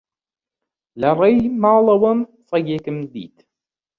لە ڕێی ماڵەوەم سەگێکم دیت.